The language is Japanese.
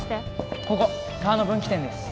ここ川の分岐点です。